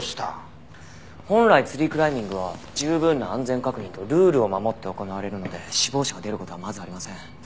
本来ツリークライミングは十分な安全確認とルールを守って行われるので死亡者が出る事はまずありません。